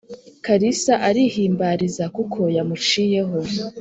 kalisa arihimbariza kuko yamuciyeho